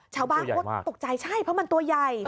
ชาวบ้านก็ตกใจใช่เพราะมันตัวใหญ่